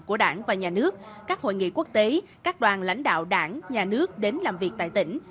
của đảng và nhà nước các hội nghị quốc tế các đoàn lãnh đạo đảng nhà nước đến làm việc tại tỉnh